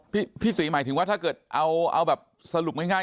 พี่ศรีหมายถึงว่าถ้าเกิดเอาแบบสรุปง่าย